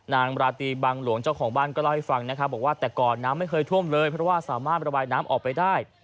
ราตรีบังหลวงเจ้าของบ้านก็เล่าให้ฟังนะครับบอกว่าแต่ก่อนน้ำไม่เคยท่วมเลยเพราะว่าสามารถระบายน้ำออกไปได้